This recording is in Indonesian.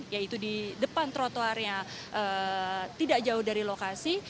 yaitu di depan trotoarnya tidak jauh dari lokasi